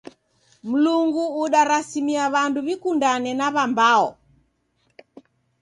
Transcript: Mlungu udarasimia w'andu w'ikundane na w'ambao.